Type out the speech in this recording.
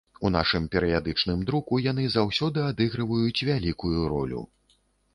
У нашым перыядычным друку яны заўсёды адыгрываюць вялікую ролю.